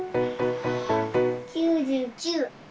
９９。